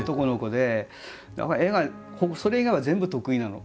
それ以外は全部得意なの。